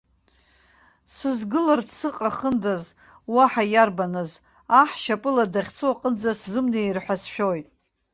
Сызгылартә сыҟахындаз, уаҳа иарбаныз, аҳ шьапыла дахьцо аҟынӡа сзымнеир ҳәа сшәоит.